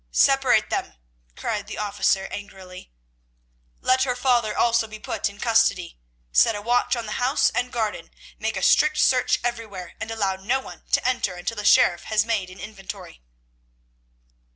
"Separate them," cried the officer angrily; "let her father also be put in custody. Set a watch on the house and garden. Make a strict search everywhere, and allow no one to enter until the sheriff has made an inventory."